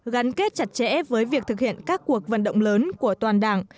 gắn kết chặt chẽ với việc thực hiện các cuộc vận động lớn của toàn đảng